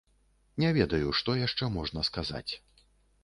Не ведаю, што яшчэ можна сказаць.